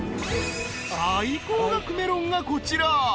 ［最高額メロンがこちら］